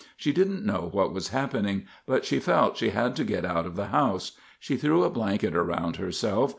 She didn't know what was happening, but she felt she had to get out of the house. She threw a blanket around herself.